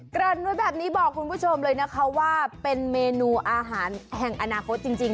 รินไว้แบบนี้บอกคุณผู้ชมเลยนะคะว่าเป็นเมนูอาหารแห่งอนาคตจริง